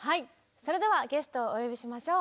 それではゲストをお呼びしましょう。